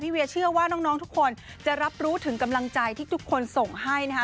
เวียเชื่อว่าน้องทุกคนจะรับรู้ถึงกำลังใจที่ทุกคนส่งให้นะคะ